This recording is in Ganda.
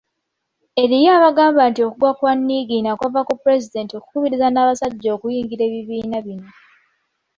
Eriyo abagamba nti okugwa kwa Niigiina kwava ku Pulezidenti okukubiriza n’abasajja okuyingira ebibiina bino.